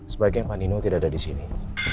sebaiknya paan nino tidak ada di sini